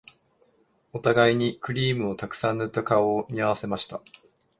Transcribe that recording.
お互いにクリームをたくさん塗った顔を見合わせました